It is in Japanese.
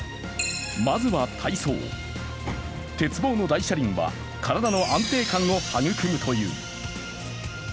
まずは体操、鉄棒の大車輪は体の安定感を育むという。